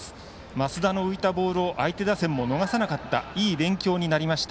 升田の浮いたボールを相手打線が逃さなかったいい勉強になりました。